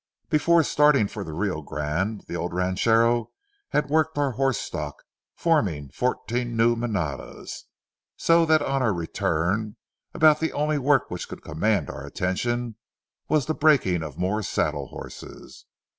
Before starting for the Rio Grande, the old ranchero had worked our horse stock, forming fourteen new manadas, so that on our return about the only work which could command our attention was the breaking of more saddle horses.